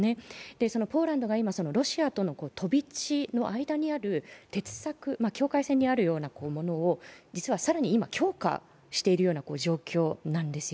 そのポーランドがロシアとの飛び地の間にある鉄柵、境界線にあるようなものを強化しているような状況です。